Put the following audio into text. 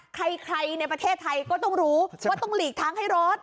ใครในประเทศไทยก็ต้องรู้ว่าต้องหลีกทางให้รถ